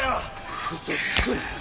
嘘をつくな！